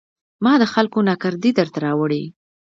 ما د خلکو ناکردې درته راوړي